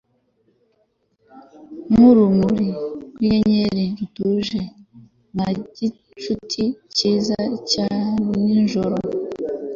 Nkurumuri rwinyenyeri rutuje Nka gicuti cyiza cya nijoro